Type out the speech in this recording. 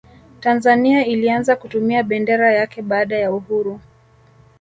tanzania ilianza kutumia bendera yake baada ya uhuru